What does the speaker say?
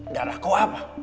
darah kau apa